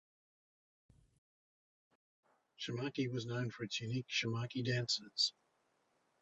Shamakhi was known for its unique Shamakhi dancers.